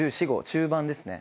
中盤ですね。